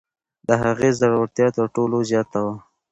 د هغې زړورتیا تر ټولو زیاته وه.